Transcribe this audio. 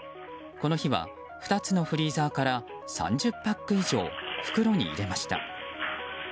この日は２つのフリーザーから３０パック以上袋に入れました。